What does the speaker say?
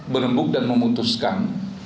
berembuk dan memutuskan